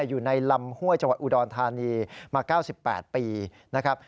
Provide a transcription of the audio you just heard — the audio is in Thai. อยู่ในลำห้วยจังหวัดอุดรธานีมา๙๘ปีนะครับ